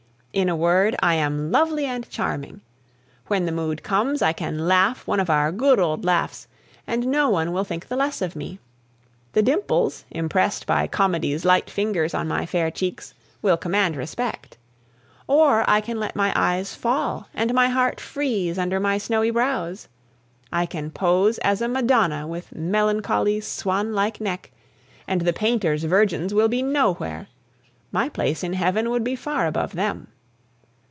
In a word, I am lovely and charming. When the mood comes, I can laugh one of our good old laughs, and no one will think the less of me; the dimples, impressed by Comedy's light fingers on my fair cheeks, will command respect. Or I can let my eyes fall and my heart freeze under my snowy brows. I can pose as a Madonna with melancholy, swan like neck, and the painters' virgins will be nowhere; my place in heaven would be far above them.